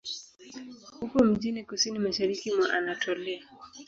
Upo mjini kusini-mashariki mwa Anatolia.